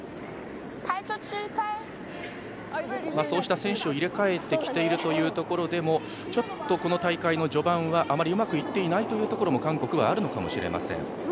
そうした選手を入れ替えてきているところでもちょっとこの大会の序盤はあまりうまくいっていないというところも韓国はあるのかもしれません。